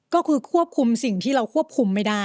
ก็คือควบคุมสิ่งที่เราควบคุมไม่ได้